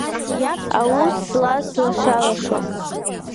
Аус злаз длашалашон.